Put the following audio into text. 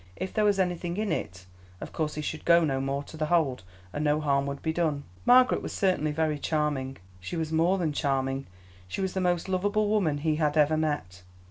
If there was anything in it, of course he should go no more to The Hold, and no harm would be done. Margaret was certainly very charming; she was more than charming, she was the most lovable woman he had ever met.